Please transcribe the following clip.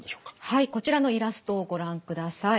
はいこちらのイラストをご覧ください。